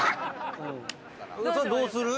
どうする？